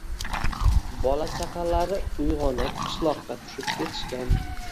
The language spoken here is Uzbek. Bola-chaqalari ulgʼayib qishloqqa tushib ketishgan